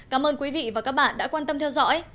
cảm ơn quý vị và các bạn đã quan tâm theo dõi